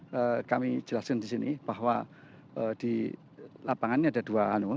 lalu kami jelaskan di sini bahwa di lapangan ini ada dua anu